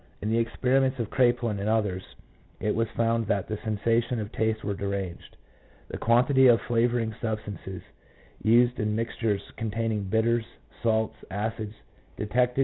In the experiments of Kraepelin and others it was found that the sensations of taste were deranged. The quantity of flavouring substance used in mix tures containing bitters, salts, and acids, detected by 1 J.